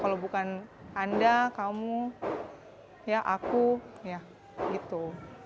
kalau tidak kamu aku ya gitu